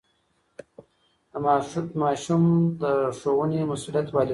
د ماشوم د ښوونې مسئولیت والدین لري.